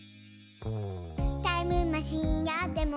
「タイムマシンあっても」